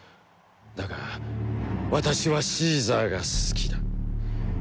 だが私はシーザーが好きだ」。